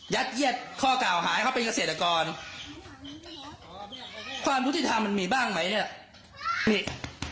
ยัดเย็ดข้อเก่าหายเขาเป็นเกษตรกรความรู้สึกที่ท่ามันมีบ้างไหมเนี่ย